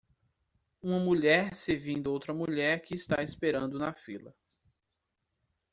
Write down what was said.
Uma mulher servindo outra mulher que está esperando na fila.